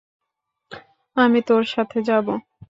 আমি তোর সাথে যাবো।